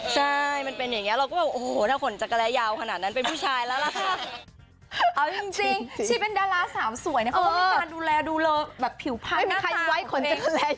ใช่มันเป็นอย่างเงี้ยถ้าขนจักรแร้ยาวขนาดนั้นเป็นผู้ชายแล้วล่ะค่ะ